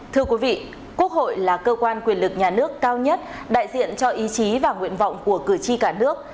thưa quý vị quốc hội là cơ quan quyền lực nhà nước cao nhất đại diện cho ý chí và nguyện vọng của cử tri cả nước